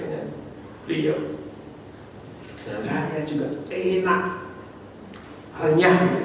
beli yang enak renyah enggak kaya saya ini kertah kertuh badan